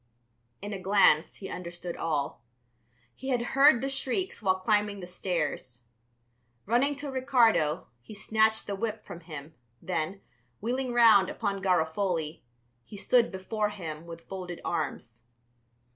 In a glance, he understood all. He had heard the shrieks while climbing the stairs. Running to Ricardo, he snatched the whip from him, then, wheeling round upon Garofoli, he stood before him with folded arms.